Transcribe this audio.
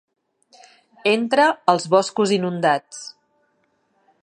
Entra als boscos inundats.